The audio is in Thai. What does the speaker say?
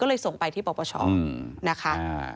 ก็เลยส่งไปที่ปปชนะคะ